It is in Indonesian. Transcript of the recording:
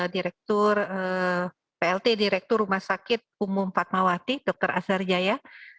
direktur plt direktur rumah sakit umum fatmawati dr azhar jaya